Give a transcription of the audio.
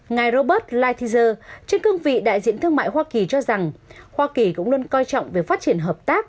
ngài robert lighthizer trên cương vị đại diện thương mại hoa kỳ cho rằng hoa kỳ cũng luôn coi trọng về phát triển hợp tác